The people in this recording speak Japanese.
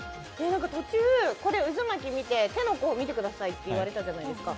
途中、渦巻き見て、手の甲を見てくださいって言われたじゃないですか。